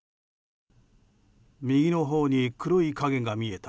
右のほうに黒い影が見えた。